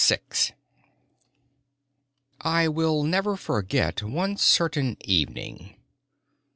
VI I will never forget one certain evening.